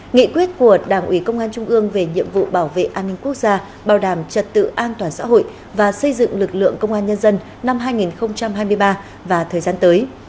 nghị quyết của đảng ủy công an trung ương về nhiệm vụ bảo vệ an ninh quốc gia bảo đảm trật tự an toàn xã hội và xây dựng lực lượng công an nhân dân năm hai nghìn hai mươi ba và thời gian tới